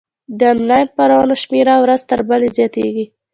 د انلاین خپرونو شمېره ورځ تر بلې زیاتیږي.